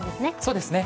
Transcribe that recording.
そうですね。